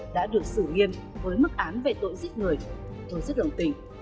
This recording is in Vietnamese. đã được xử nghiêm với mức án về tội giết người tội giết đồng tình